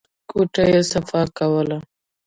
کوټه يې صفا کوله.